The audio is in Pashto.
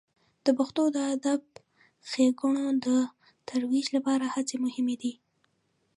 د پښتو د ادب د ښیګڼو د ترویج لپاره هڅې مهمې دي.